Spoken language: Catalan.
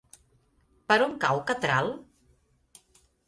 Per on cau Catral?